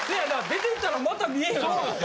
出て行ったらまた見えへんようなる。